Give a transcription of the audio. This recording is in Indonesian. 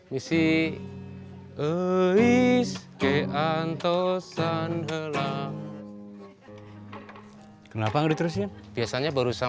nanti kita berbicara